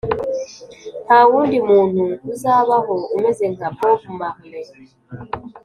ntawundi muntu uzabaho umeze nka bob marley